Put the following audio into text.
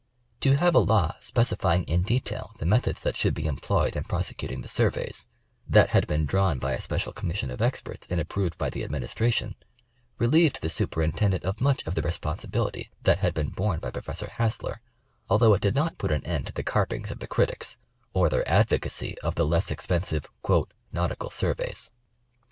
To have a law specifying in detail the methods that should be employed in prosecuting the surveys, that had been drawn by a special commission of experts and approved by the administration, relieved the Superintendent of much of the re sponsibility that had been borne by Professor Hassler, although it did not put an end to the carpings of the critics, or their ad vocacy of the less expensive "nautical surveys."